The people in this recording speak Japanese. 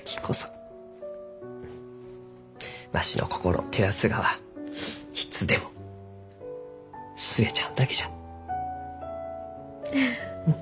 わしの心を照らすがはいつでも寿恵ちゃんだけじゃ。